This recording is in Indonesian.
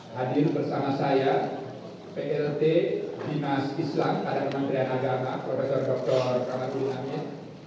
hadir bersama saya plt dinas islam ada kementerian agama prof dr kamadul amin